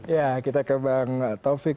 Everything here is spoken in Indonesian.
ya kita ke bang taufik